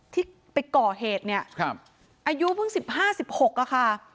ที่ไปก่อเหตุเนี่ยอายุเพิ่ง๑๕๑๖อะค่ะ